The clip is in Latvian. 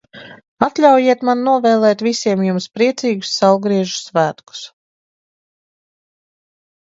Atļaujiet man novēlēt visiem jums priecīgus Saulgriežu svētkus!